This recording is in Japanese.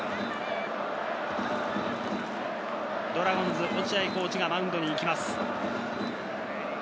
ドラゴンズの落合コーチがマウンドに行きます。